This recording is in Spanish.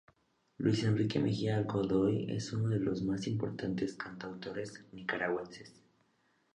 Luis Enrique Mejía Godoy es uno de los más importantes cantautores nicaragüenses.